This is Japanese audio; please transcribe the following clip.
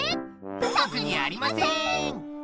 とくにありません！